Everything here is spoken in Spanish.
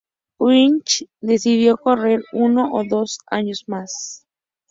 Ullrich decidió correr uno o dos años más.